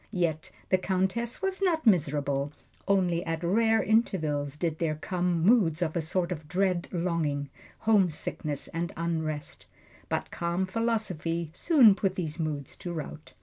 Yet the Countess was not miserable only at rare intervals did there come moods of a sort of dread longing, homesickness and unrest; but calm philosophy soon put these moods to rout.